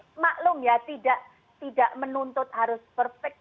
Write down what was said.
ini maklum ya tidak menuntut harus perfect